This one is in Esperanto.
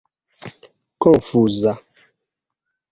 konfuza